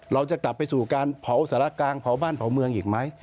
เราจะกลับไปสู่การเผาสารกลางเผาบ้านเผาเมืองอีกไหม